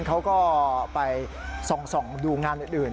เขาก็ไปส่องดูงานอื่น